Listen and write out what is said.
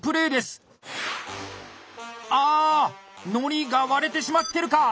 海苔が割れてしまってるか！